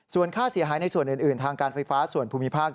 ส่วนค่าเสียหายในส่วนอื่นทางการไฟฟ้าส่วนภูมิภาค